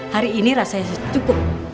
hari ini rasanya cukup